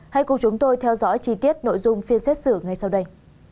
hãy cùng chúng tôi theo dõi chi tiết nội dung phiên xét xử ngay sau đây